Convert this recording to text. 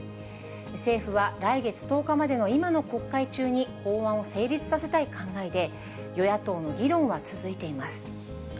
政府は来月１０日までの今の国会中に、法案を成立させたい考えで、与野党の議論は続いています。